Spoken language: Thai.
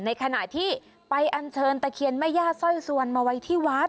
ในขณะที่ไปอันเชิญตะเคียนแม่ย่าสร้อยสวนมาไว้ที่วัด